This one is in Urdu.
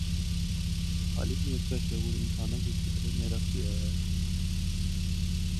خالق نے اس کا شعور انسانوں کی فطرت میں رکھ دیا ہے۔